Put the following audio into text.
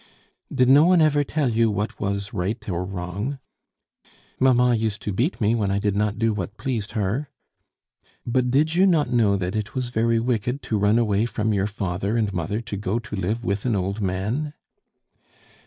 "Did no one ever tell you what was right or wrong?" "Mamma used to beat me when I did not do what pleased her." "But did you not know that it was very wicked to run away from your father and mother to go to live with an old man?"